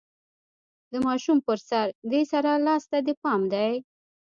د ماشوم په سر، دې سره لاس ته دې پام دی؟